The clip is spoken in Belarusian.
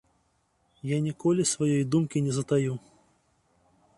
Я ніколі сваёй думкі не затаю.